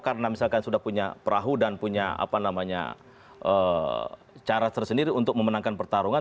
karena misalkan sudah punya perahu dan punya cara tersendiri untuk memenangkan pertarungan